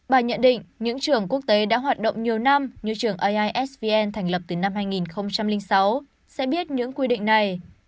bà nhận định những trường quốc tế đã hoạt động nhiều năm như trường aisvn thành lập từ năm hai nghìn sáu sẽ biết những quy định này